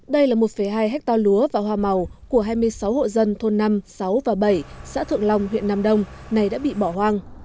đây là một hai hectare lúa và hoa màu của hai mươi sáu hộ dân thôn năm sáu và bảy xã thượng long huyện nam đông này đã bị bỏ hoang